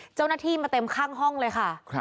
เจ้าหน้าที่จับเต็มใคร่ข้างห้องเลยค่ะครับ